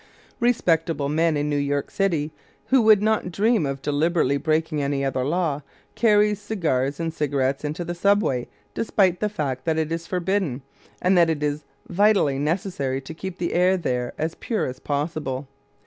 Respectable men in New York City who would not dream of deliberately breaking any other law carry cigars and cigarettes into the subway despite the fact that it is forbidden and that it is vitally necessary to keep the air there as pure as possible.